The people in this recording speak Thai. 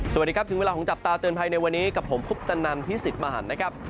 สวัสดีครับถึงเวลาของจับตาเตือนภัยในวันนี้กับผมคุปตนันพิสิทธิ์มหันนะครับ